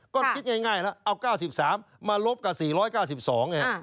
ก็คิดง่ายแล้วเอา๙๓มาลบกับ๔๙๒ไง